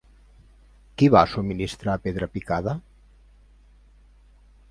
Qui va subministrar pedra picada?